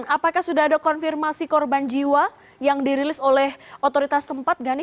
apakah sudah ada konfirmasi korban jiwa yang dirilis oleh otoritas tempat gani